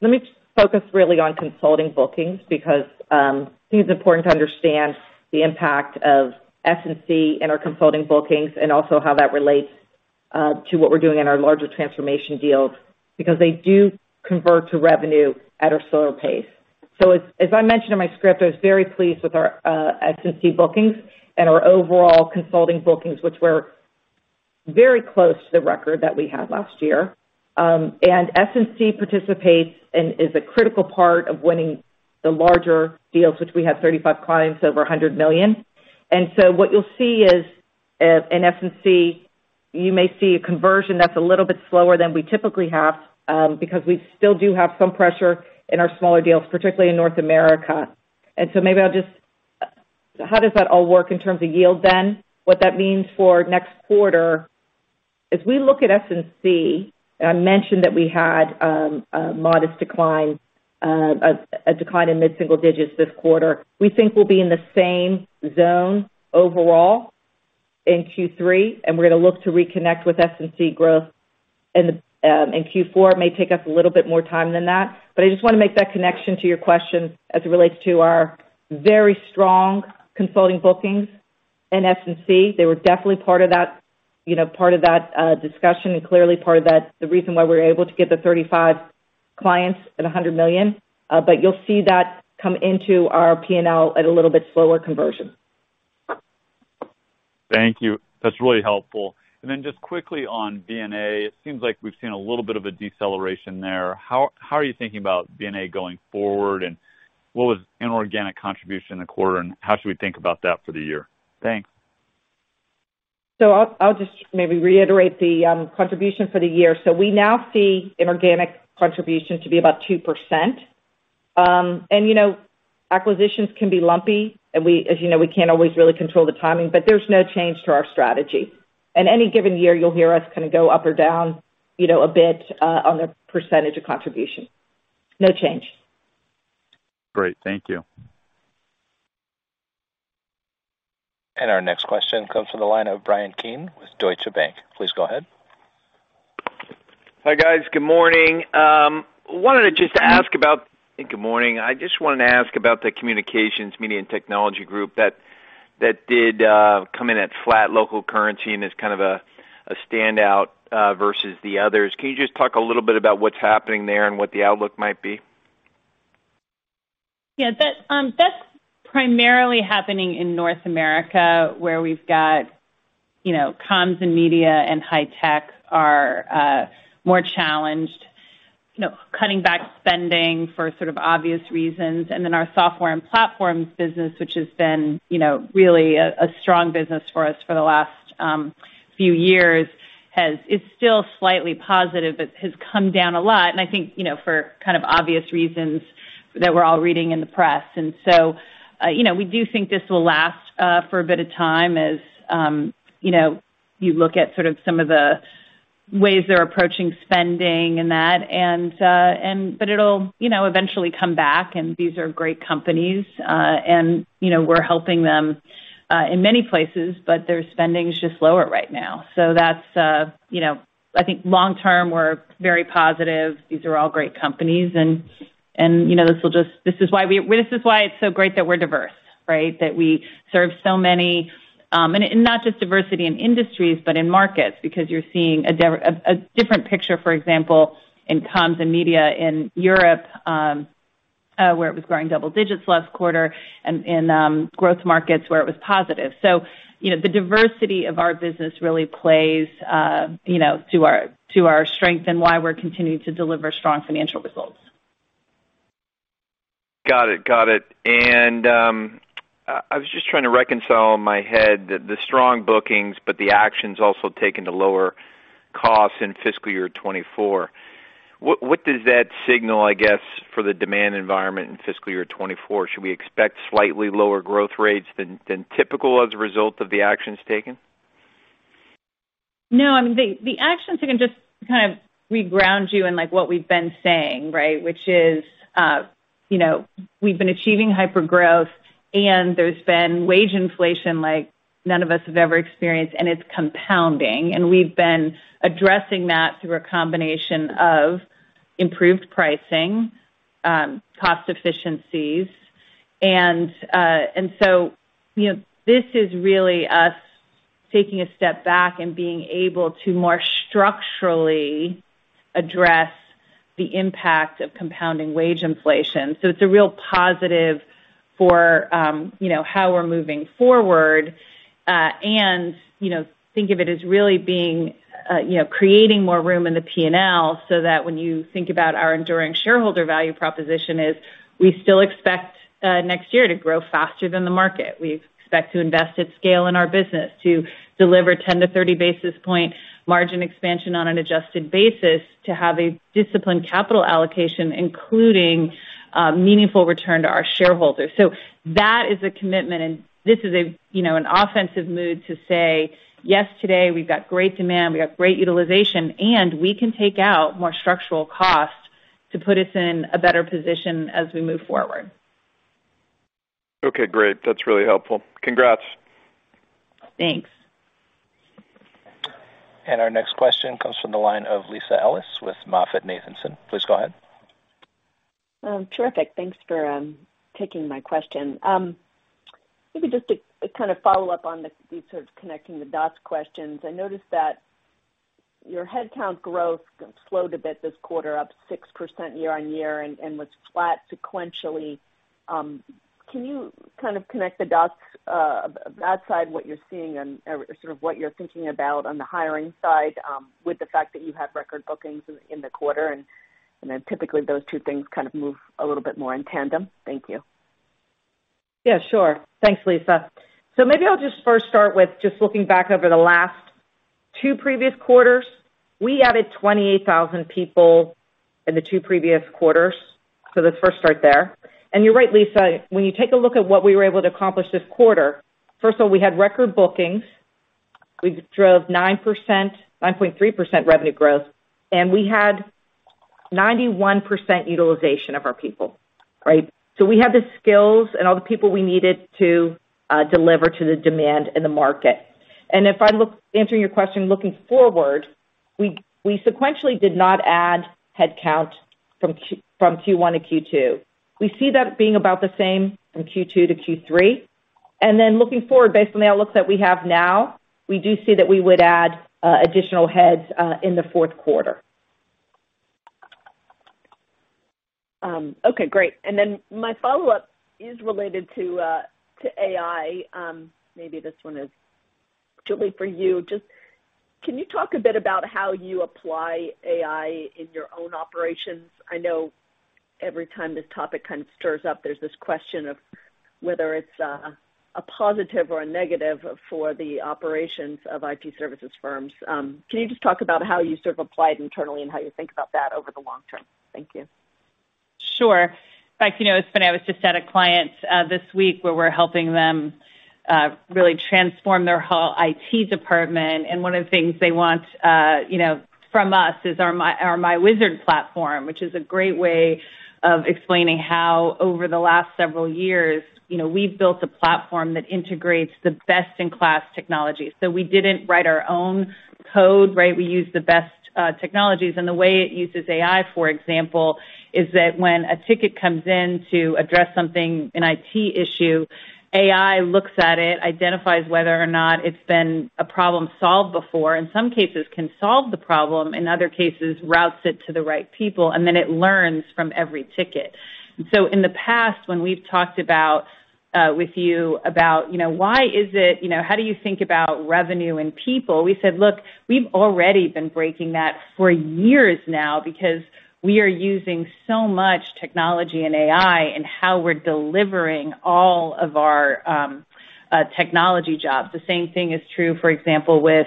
me focus really on consulting bookings because, I think it's important to understand the impact of S&C in our consulting bookings and also how that relates to what we're doing in our larger transformation deals, because they do convert to revenue at a slower pace. As I mentioned in my script, I was very pleased with our S&C bookings and our overall consulting bookings, which were very close to the record that we had last year. S&C participates and is a critical part of winning the larger deals, which we have 35 clients over $100 million. What you'll see is, in S&C, you may see a conversion that's a little bit slower than we typically have, because we still do have some pressure in our smaller deals, particularly in North America. Maybe I'll just, how does that all work in terms of yield then? What that means for next quarter, as we look at S&C, I mentioned that we had a modest decline, a decline in mid-single digits this quarter. We think we'll be in the same zone overall in Q3, and we're gonna look to reconnect with S&C growth in Q4. It may take us a little bit more time than that. I just wanna make that connection to your question as it relates to our very strong consulting bookings in S&C. They were definitely part of that, you know, discussion and clearly part of that, the reason why we're able to get the 35 clients at $100 million. You'll see that come into our P&L at a little bit slower conversion. Thank you. That's really helpful. Just quickly on M&A, it seems like we've seen a little bit of a deceleration there. How are you thinking about M&A going forward, and what was inorganic contribution in the quarter, and how should we think about that for the year? Thanks. I'll just maybe reiterate the contribution for the year. We now see inorganic contribution to be about 2%. You know, acquisitions can be lumpy, and we, as you know, we can't always really control the timing, but there's no change to our strategy. In any given year, you'll hear us kind of go up or down, you know, a bit on the percentage of contribution. No change. Great. Thank you. Our next question comes from the line of Bryan Keane with Deutsche Bank. Please go ahead. Hi, guys. Good morning. I just wanted to ask about the communications, media, and technology group that did come in at flat local currency, and it's kind of a standout versus the others. Can you just talk a little bit about what's happening there and what the outlook might be? Yeah. That's primarily happening in North America, where we've got, you know, comms and media and high tech are more challenged, you know, cutting back spending for sort of obvious reasons. Our software and platforms business, which has been, you know, really a strong business for us for the last few years, is still slightly positive, but has come down a lot, and I think, you know, for kind of obvious reasons that we're all reading in the press. You know, we do think this will last for a bit of time as, you know, you look at sort of some of the ways they're approaching spending and that. It'll, you know, eventually come back, and these are great companies, and, you know, we're helping them in many places, but their spending is just lower right now. That's, you know, I think long term, we're very positive. These are all great companies and, you know, this is why it's so great that we're diverse, right? That we serve so many, and not just diversity in industries, but in markets because you're seeing a different picture, for example, in comms and media in Europe, where it was growing double digits last quarter and in growth markets where it was positive. You know, the diversity of our business really plays, you know, to our, to our strength and why we're continuing to deliver strong financial results. Got it. Got it. I was just trying to reconcile in my head the strong bookings, but the actions also taken to lower costs in fiscal year 2024. What does that signal, I guess, for the demand environment in fiscal year 2024? Should we expect slightly lower growth rates than typical as a result of the actions taken? No, I mean, the actions are gonna just kind of reground you in, like, what we've been saying, right? you know, we've been achieving hypergrowth, and there's been wage inflation like none of us have ever experienced, and it's compounding. we've been addressing that through a combination of improved pricing, cost efficiencies. you know, this is really us taking a step back and being able to more structurally address the impact of compounding wage inflation. it's a real positive for, you know, how we're moving forward. you know, think of it as really being, you know, creating more room in the P&L so that when you think about our enduring shareholder value proposition is we still expect next year to grow faster than the market. We expect to invest at scale in our business to deliver 10-30 basis point margin expansion on an adjusted basis to have a disciplined capital allocation, including meaningful return to our shareholders. That is a commitment. This is a, you know, an offensive mood to say, yes, today we've got great demand, we've got great utilization, and we can take out more structural costs to put us in a better position as we move forward. Okay, great. That's really helpful. Congrats. Thanks. Our next question comes from the line of Lisa Ellis with MoffettNathanson. Please go ahead. Terrific. Thanks for taking my question. Maybe just to kind of follow up on these sort of connecting the dots questions. I noticed that your headcount growth slowed a bit this quarter, up 6% year-over-year and was flat sequentially. Can you kind of connect the dots, outside what you're seeing and, or sort of what you're thinking about on the hiring side, with the fact that you have record bookings in the quarter, and then typically those two things kind of move a little bit more in tandem? Thank you. Yeah, sure. Thanks, Lisa. Maybe I'll just first start with just looking back over the last two previous quarters. We added 28,000 people in the two previous quarters. Let's first start there. You're right, Lisa. When you take a look at what we were able to accomplish this quarter, first of all, we had record bookings. We drove 9.3% revenue growth, and we had 91% utilization of our people, right? We had the skills and all the people we needed to deliver to the demand in the market. Answering your question looking forward, we sequentially did not add headcount from Q1 to Q2. We see that being about the same in 2Q to Q3. Looking forward, based on the outlooks that we have now, we do see that we would add additional heads in the fourth quarter. Okay, great. My follow-up is related to AI. Maybe this one is truly for you. Can you talk a bit about how you apply AI in your own operations? I know every time this topic kind of stirs up, there's this question. Whether it's a positive or a negative for the operations of IT services firms. Can you just talk about how you sort of apply it internally and how you think about that over the long term? Thank you. Sure. In fact, you know, it's funny, I was just at a client this week where we're helping them really transform their whole IT department. One of the things they want, you know, from us is our myWizard platform, which is a great way of explaining how over the last several years, you know, we've built a platform that integrates the best-in-class technology. We didn't write our own code, right? We used the best technologies. The way it uses AI, for example, is that when a ticket comes in to address something, an IT issue, AI looks at it, identifies whether or not it's been a problem solved before. In some cases can solve the problem, in other cases, routes it to the right people, and then it learns from every ticket. In the past, when we've talked about, with you about, you know, why is it, you know, how do you think about revenue and people? We said, "Look, we've already been breaking that for years now because we are using so much technology and AI in how we're delivering all of our technology jobs." The same thing is true, for example, with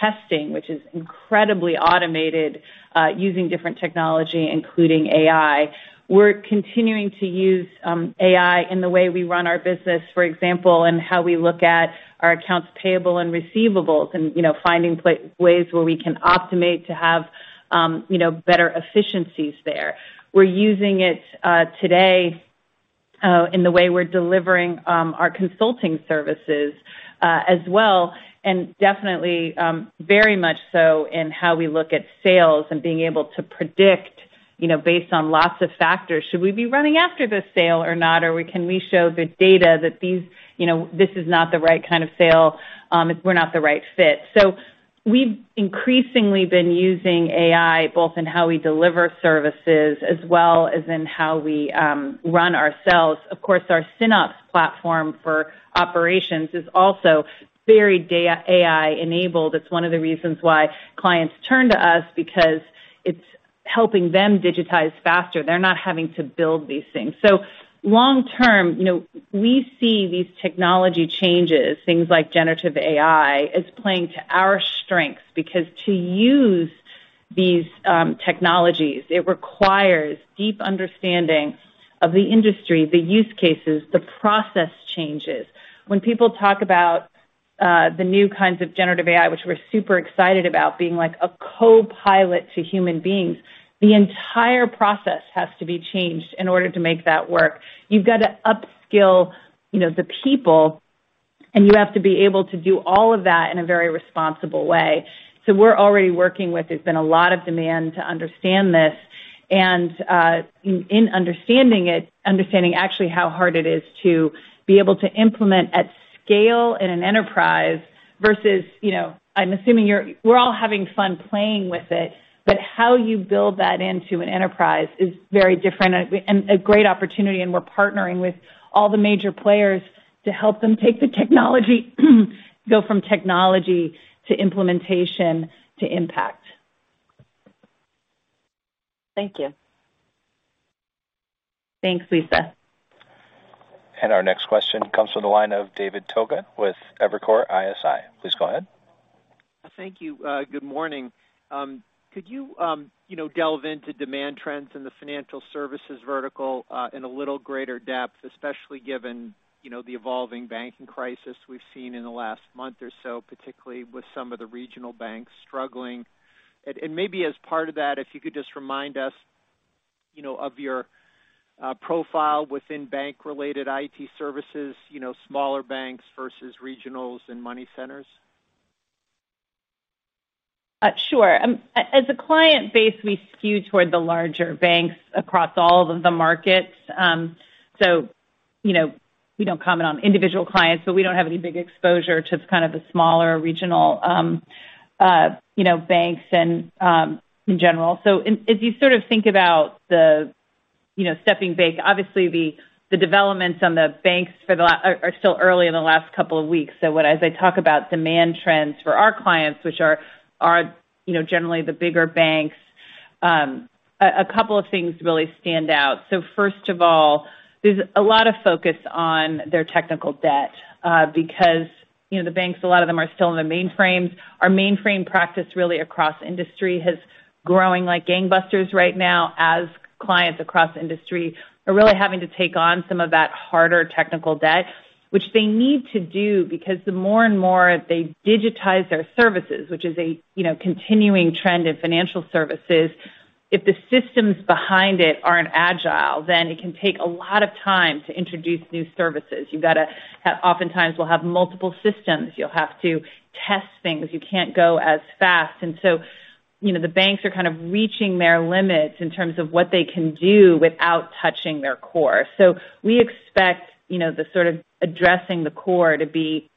testing, which is incredibly automated, using different technology, including AI. We're continuing to use AI in the way we run our business, for example, and how we look at our accounts payable and receivables and, you know, finding ways where we can automate to have, you know, better efficiencies there. We're using it today in the way we're delivering our consulting services as well. Definitely, very much so in how we look at sales and being able to predict, you know, based on lots of factors, should we be running after this sale or not? Can we show the data that these, you know, this is not the right kind of sale if we're not the right fit. We've increasingly been using AI both in how we deliver services as well as in how we run ourselves. Of course, our SynOps platform for operations is also very AI enabled. It's one of the reasons why clients turn to us because it's helping them digitize faster. They're not having to build these things. Long term, you know, we see these technology changes, things like generative AI, as playing to our strengths. To use these technologies, it requires deep understanding of the industry, the use cases, the process changes. When people talk about the new kinds of generative AI, which we're super excited about being like a co-pilot to human beings, the entire process has to be changed in order to make that work. You've got to upskill, you know, the people, and you have to be able to do all of that in a very responsible way. We're already working with, there's been a lot of demand to understand this. In understanding it, understanding actually how hard it is to be able to implement at scale in an enterprise versus, you know, I'm assuming we're all having fun playing with it, but how you build that into an enterprise is very different, and a great opportunity, and we're partnering with all the major players to help them take the technology go from technology to implementation to impact. Thank you. Thanks, Lisa. Our next question comes from the line of David Togut with Evercore ISI. Please go ahead. Thank you. Good morning. Could you know, delve into demand trends in the financial services vertical, in a little greater depth, especially given, you know, the evolving banking crisis we've seen in the last month or so, particularly with some of the regional banks struggling? Maybe as part of that, if you could just remind us, you know, of your profile within bank-related IT services, you know, smaller banks versus regionals and money centers. Sure. As a client base, we skew toward the larger banks across all of the markets. You know, we don't comment on individual clients, but we don't have any big exposure to kind of the smaller regional, you know, banks and in general. If you sort of think about the, you know, stepping back, obviously the developments on the banks are still early in the last couple of weeks. What as I talk about demand trends for our clients, which are, you know, generally the bigger banks, a couple of things really stand out. First of all, there's a lot of focus on their technical debt because, you know, the banks, a lot of them are still in the mainframes. Our mainframe practice really across industry has growing like gangbusters right now as clients across industry are really having to take on some of that harder technical debt. They need to do because the more and more they digitize their services, which is a, you know, continuing trend in financial services. If the systems behind it aren't agile, it can take a lot of time to introduce new services. You've gotta oftentimes will have multiple systems. You'll have to test things. You can't go as fast. You know, the banks are kind of reaching their limits in terms of what they can do without touching their core. We expect, you know, the sort of addressing the core to be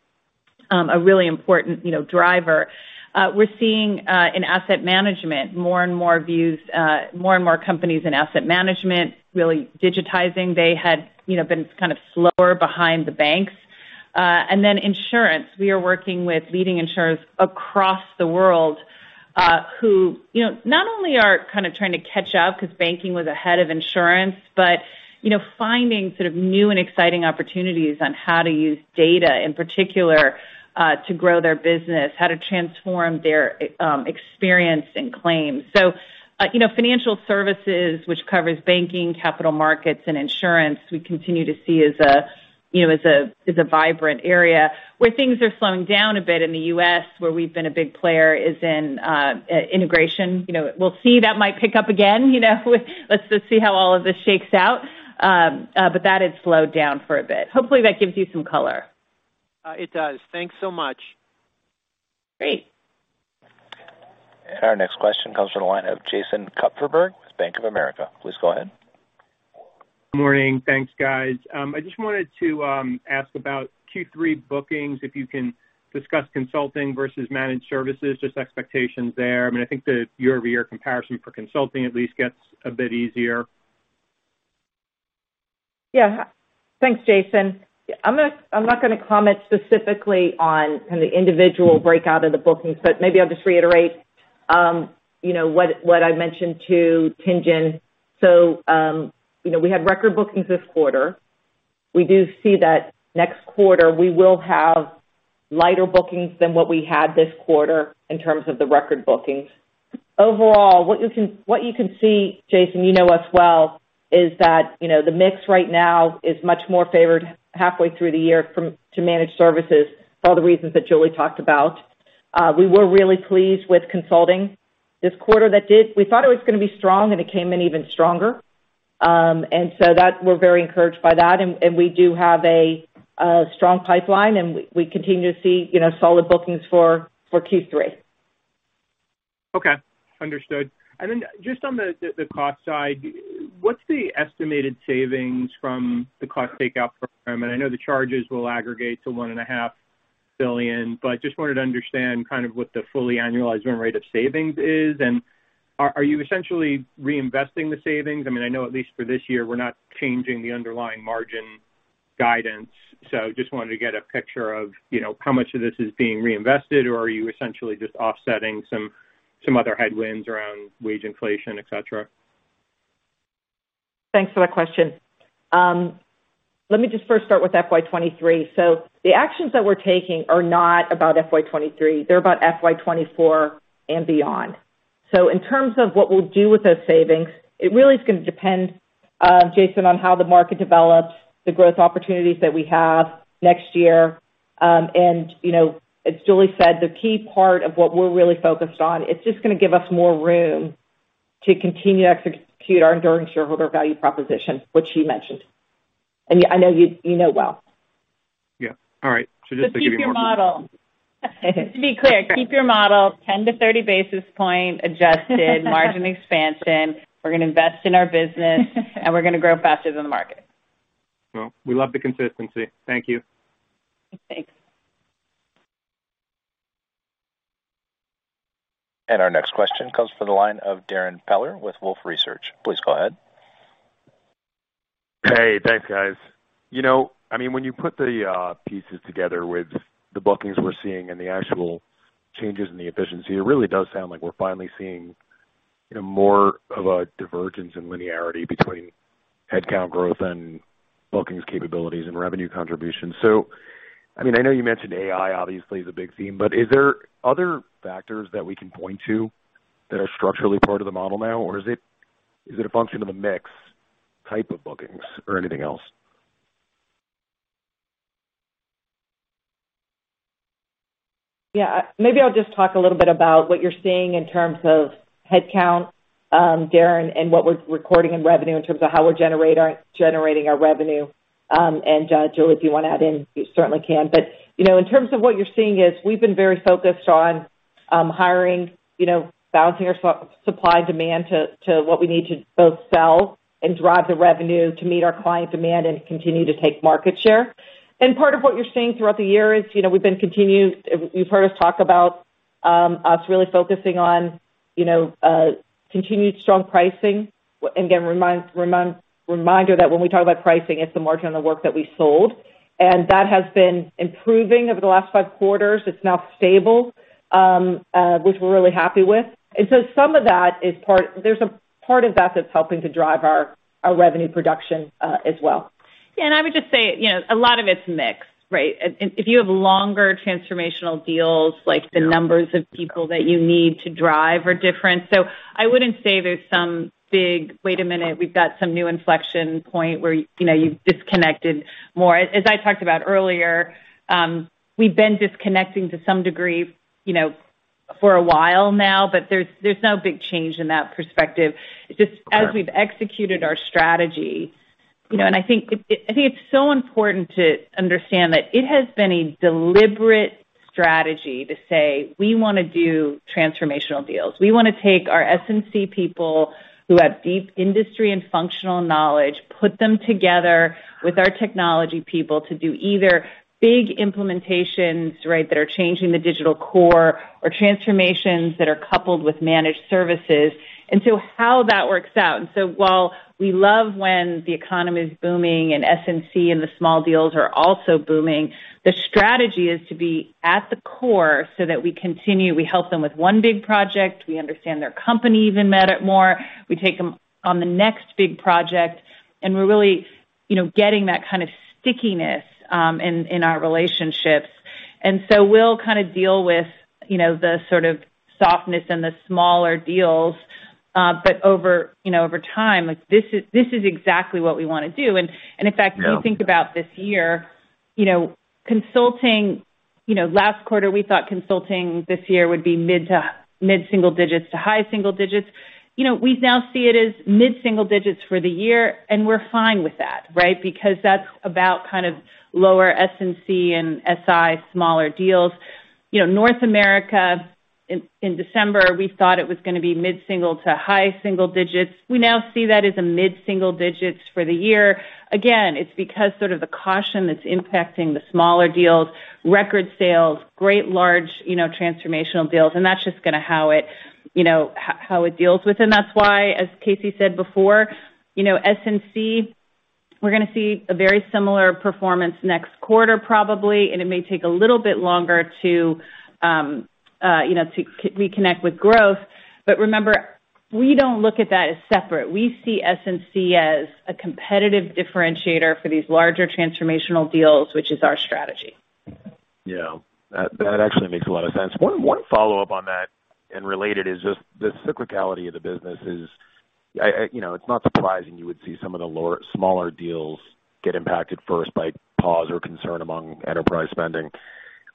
a really important, you know, driver. We're seeing in asset management, more and more views, more and more companies in asset management really digitizing. They had, you know, been kind of slower behind the banks. Insurance. We are working with leading insurers across the world, who, you know, not only are kind of trying to catch up 'cause banking was ahead of insurance, but, you know, finding sort of new and exciting opportunities on how to use data, in particular, to grow their business, how to transform their experience and claims. You know, financial services, which covers banking, capital markets, and insurance, we continue to see as a, you know, as a vibrant area. Where things are slowing down a bit in the U.S., where we've been a big player, is in integration. You know, we'll see that might pick up again, you know. Let's just see how all of this shakes out. That has slowed down for a bit. Hopefully, that gives you some color. It does. Thanks so much. Great. Our next question comes from the line of Jason Kupferberg with Bank of America. Please go ahead. Morning. Thanks, guys. I just wanted to ask about Q3 bookings, if you can discuss consulting versus managed services, just expectations there. I mean, I think the year-over-year comparison for consulting at least gets a bit easier. Yeah. Thanks, Jason Kupferberg. I'm not gonna comment specifically on kind of the individual breakout of the bookings, but maybe I'll just reiterate, you know, what I mentioned to Tien-Tsin. We had record bookings this quarter. We do see that next quarter we will have lighter bookings than what we had this quarter in terms of the record bookings. Overall, what you can see, Jason, you know us well, is that, you know, the mix right now is much more favored halfway through the year to managed services for all the reasons that Julie talked about. We were really pleased with consulting this quarter. We thought it was gonna be strong, and it came in even stronger. That we're very encouraged by that, and we do have a strong pipeline, and we continue to see, you know, solid bookings for Q3. Okay. Understood. Then just on the cost side, what's the estimated savings from the cost takeout program? I know the charges will aggregate to one and a half billion, but just wanted to understand kind of what the fully annualized run rate of savings is. Are you essentially reinvesting the savings? I mean, I know at least for this year we're not changing the underlying margin guidance. Just wanted to get a picture of, you know, how much of this is being reinvested, or are you essentially just offsetting some other headwinds around wage inflation, et cetera? Thanks for that question. Let me just first start with FY 2023. The actions that we're taking are not about FY 2023. They're about FY 2024 and beyond. In terms of what we'll do with those savings, it really is gonna depend, Jason, on how the market develops, the growth opportunities that we have next year. And, you know, as Julie said, the key part of what we're really focused on, it's just gonna give us more room to continue to execute our enduring shareholder value proposition, which you mentioned. I know you know well. Yeah. All right. just to give you. Keep your model. Just to be clear, keep your model 10-30 basis points adjusted margin expansion. We're gonna invest in our business, and we're gonna grow faster than the market. Well, we love the consistency. Thank you. Thanks. Our next question comes from the line of Darrin Peller with Wolfe Research. Please go ahead. Hey, thanks, guys. You know, I mean, when you put the pieces together with the bookings we're seeing and the actual changes in the efficiency, it really does sound like we're finally seeing more of a divergence in linearity between headcount growth and bookings capabilities and revenue contributions. I mean, I know you mentioned AI obviously is a big theme, but is there other factors that we can point to that are structurally part of the model now, or is it a function of a mix type of bookings or anything else? Yeah. Maybe I'll just talk a little bit about what you're seeing in terms of headcount, Darrin, and what we're recording in revenue in terms of how we're generating our revenue. Julie, if you wanna add in, you certainly can. But, you know, in terms of what you're seeing is we've been very focused on hiring, you know, balancing our supply and demand to what we need to both sell and drive the revenue to meet our client demand and continue to take market share. Part of what you're seeing throughout the year is, you know, we've been continued. You've heard us talk about us really focusing on, you know, continued strong pricing. Again, reminder that when we talk about pricing, it's the margin on the work that we sold, and that has been improving over the last five quarters. It's now stable, which we're really happy with. There's a part of that that's helping to drive our revenue production as well. I would just say, you know, a lot of it's mix, right? If you have longer transformational deals, like the numbers of people that you need to drive are different. I wouldn't say there's some big, wait a minute, we've got some new inflection point where, you know, you've disconnected more. As I talked about earlier, we've been disconnecting to some degree, you know, for a while now, but there's no big change in that perspective. As we've executed our strategy, you know, I think it's so important to understand that it has been a deliberate strategy to say, we wanna do transformational deals. We wanna take our S&C people who have deep industry and functional knowledge, put them together with our technology people to do either big implementations, right, that are changing the digital core or transformations that are coupled with managed services, and so how that works out. While we love when the economy is booming and S&C and the small deals are also booming, the strategy is to be at the core so that we continue. We help them with one big project. We understand their company even better, more. We take them on the next big project, and we're really, you know, getting that kind of stickiness in our relationships. We'll kind of deal with, you know, the sort of softness and the smaller deals, but over, you know, over time, like this is, this is exactly what we wanna do. In fact. Yeah. If you think about this year, you know, consulting, you know, last quarter, we thought consulting this year would be mid single digits to high single digits. You know, we now see it as mid single digits for the year, and we're fine with that, right? Because that's about kind of lower S&C and SI smaller deals. You know, North America in December, we thought it was gonna be mid single to high single digits. We now see that as a mid single digits for the year. It's because sort of the caution that's impacting the smaller deals, record sales, great large, you know, transformational deals, and that's just gonna how it, you know, how it deals with, and that's why, as KC said before, you know, S&C, we're gonna see a very similar performance next quarter, probably, and it may take a little bit longer to, you know, to reconnect with growth. Remember, we don't look at that as separate. We see S&C as a competitive differentiator for these larger transformational deals, which is our strategy. Yeah. That, that actually makes a lot of sense. One follow-up on that, and related, is just the cyclicality of the business is you know, it's not surprising you would see some of the lower, smaller deals get impacted first by pause or concern among enterprise spending.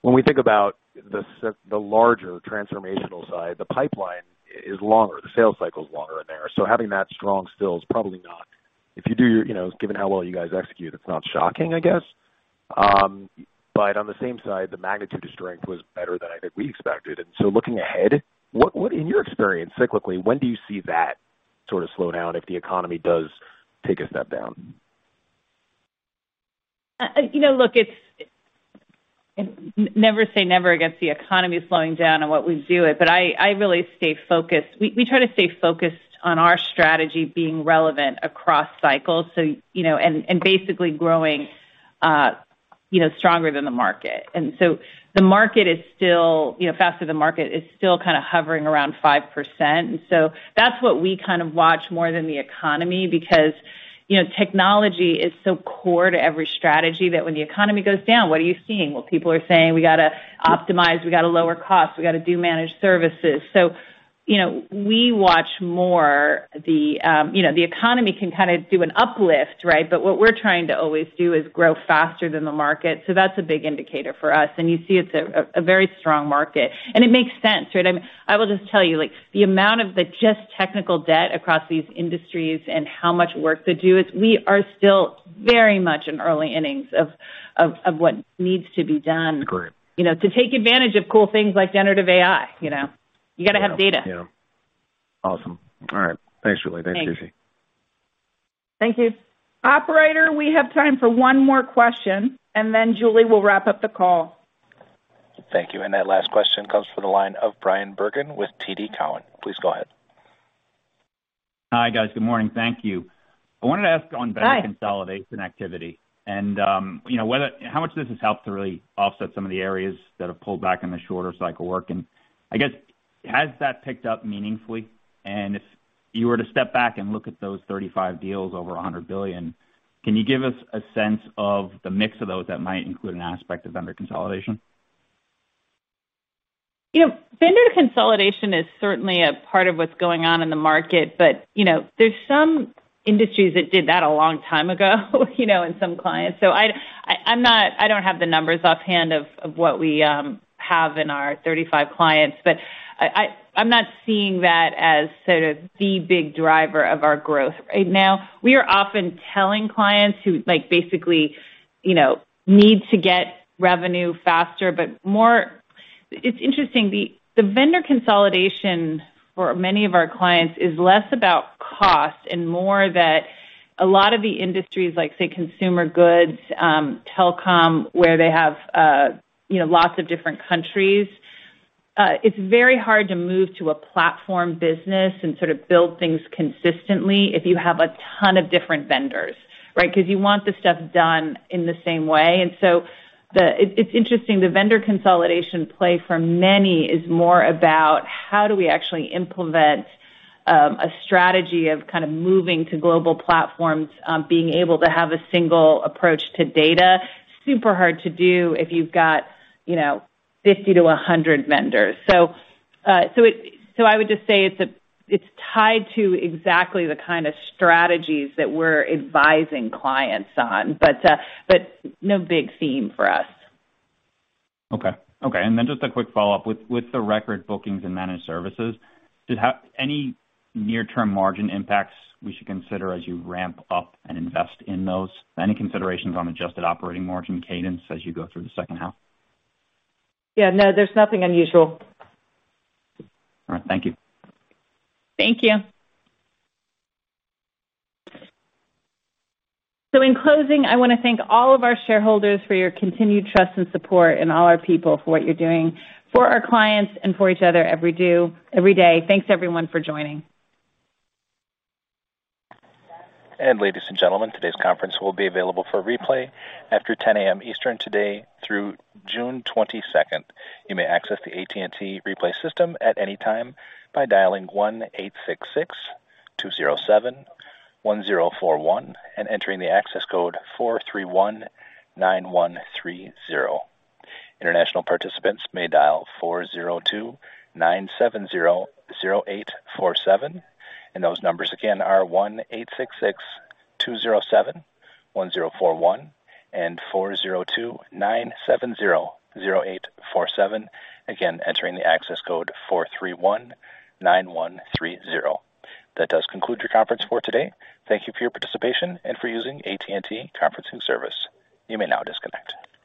When we think about the larger transformational side, the pipeline is longer, the sales cycle is longer in there. Having that strong still is probably not, If you do your, you know, given how well you guys execute, it's not shocking, I guess. On the same side, the magnitude of strength was better than I think we expected. Looking ahead, what in your experience, cyclically, when do you see that sort of slow down if the economy does take a step down? You know, look, it's never say never against the economy slowing down and what we do it, but I really stay focused. We try to stay focused on our strategy being relevant across cycles. You know, and basically growing, you know, stronger than the market. The market is still, you know, faster than market is still kind of hovering around 5%. That's what we kind of watch more than the economy because, you know, technology is so core to every strategy that when the economy goes down, what are you seeing? Well, people are saying, "We gotta optimize, we gotta lower costs, we gotta do managed services." You know, we watch more the, you know, the economy can kinda do an uplift, right? What we're trying to always do is grow faster than the market. That's a big indicator for us. You see it's a very strong market, and it makes sense, right? I mean, I will just tell you, like the amount of the just technical debt across these industries and how much work to do is we are still very much in early innings of what needs to be done. Agreed. You know, to take advantage of cool things like generative AI, you know? You gotta have data. Yeah. Awesome. All right. Thanks, Julie. Thanks, KC. Thank you. Operator, we have time for one more question, and then Julie will wrap up the call. Thank you. That last question comes from the line of Bryan Bergin with TD Cowen. Please go ahead. Hi, guys. Good morning. Thank you. I wanted to ask on. Hi. Vendor consolidation activity and, you know, How much this has helped to really offset some of the areas that have pulled back in the shorter cycle work. I guess, has that picked up meaningfully? If you were to step back and look at those 35 deals over $100 million, can you give us a sense of the mix of those that might include an aspect of vendor consolidation? You know, vendor consolidation is certainly a part of what's going on in the market. You know, there's some industries that did that a long time ago, you know, and some clients. I don't have the numbers offhand of what we have in our 35 clients, but I'm not seeing that as sort of the big driver of our growth right now. We are often telling clients who like basically, you know, need to get revenue faster, but more, It's interesting, the vendor consolidation for many of our clients is less about cost and more that a lot of the industries like say, consumer goods, telecom, where they have, you know, lots of different countries. It's very hard to move to a platform business and sort of build things consistently if you have a ton of different vendors, right? 'Cause you want the stuff done in the same way. It's interesting, the vendor consolidation play for many is more about how do we actually implement a strategy of kind of moving to global platforms, being able to have a single approach to data. Super hard to do if you've got, you know, 50 to 100 vendors. I would just say it's tied to exactly the kind of strategies that we're advising clients on, but no big theme for us. Okay. Okay. Just a quick follow-up. With the record bookings and managed services, do you have any near term margin impacts we should consider as you ramp up and invest in those? Any considerations on adjusted operating margin cadence as you go through the second half? Yeah, no, there's nothing unusual. All right. Thank you. Thank you. In closing, I want to thank all of our shareholders for your continued trust and support and all our people for what you're doing for our clients and for each other, every day. Thanks, everyone, for joining. Ladies and gentlemen, today's conference will be available for replay after 10:00 A.M. Eastern today through June 22nd. You may access the AT&T replay system at any time by dialing 1-866-207-1041 and entering the access code 4319130. International participants may dial 402-970-0847, and those numbers again are 1-866-207-1041 and 402-970-0847. Again, entering the access code 4319130. That does conclude your conference for today. Thank you for your participation and for using AT&T conferencing service. You may now disconnect.